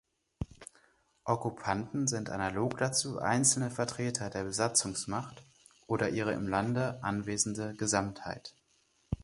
Okkupanten sind analog dazu einzelne Vertreter der Besatzungsmacht oder ihre im Lande anwesende Gesamtheit.